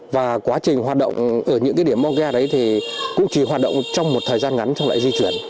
và quá trình hoạt động ở những địa điểm mong ghe thì cũng chỉ hoạt động trong một thời gian ngắn trong lãi di chuyển